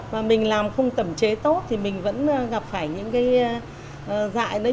mà mình làm không tẩm chế tốt thì mình vẫn gặp phải những cái dạy